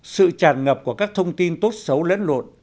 sự tràn ngập của các thông tin tốt xấu lẫn lộn